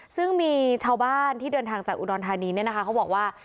ซึ่งมีชาวบ้านที่เดินทางจากอุดรธานีเนี่ยนะคะเขาบอกว่า